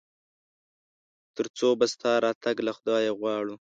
تر څو به ستا راتګ له خدايه غواړو ؟